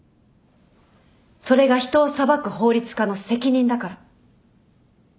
それが人を裁く法律家の責任だから。